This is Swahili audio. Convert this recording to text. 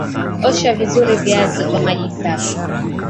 Osha vizuri viazi kwa maji safi